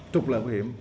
trục lợi vụ hiểm